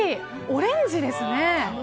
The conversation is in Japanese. オレンジですね。